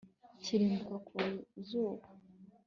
kurimbuka ku zuba